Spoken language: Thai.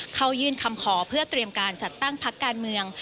เข้ายื่นคำขอเพื่อเตรียมการจัดตั้งพักการเมือง